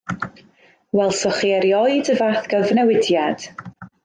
Welsoch chi erioed y fath gyfnewidiad.